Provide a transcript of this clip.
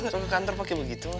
kalau ke kantor pakai begitu